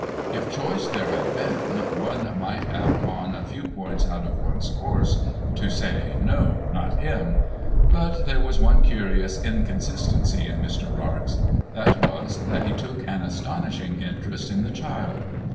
If choice there had been, MR. RARX 123 one might even have gone a few points out of one's course, to say, ' No ! Not him !' But, there was one curious inconsistency in ]\Ir. Rarx. That was, that he took an astonishing mterest in the child.